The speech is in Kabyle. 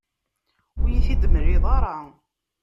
Ur iyi-t-id-temliḍ ara.